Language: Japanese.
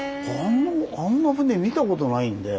あんな船見たことないんで。